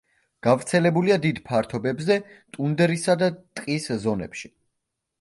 გავრცელებულია დიდ ფართობებზე ტუნდრისა და ტყის ზონებში.